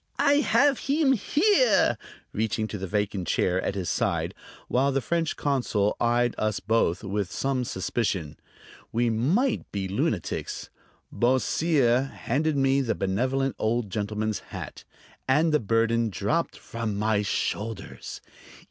"I have heem here," reaching to the vacant chair at his side, while the French consul eyed us both with some suspicion. We might be lunatics. Beausire handed me the benevolent old gentleman's hat, and the burden dropped from my shoulders.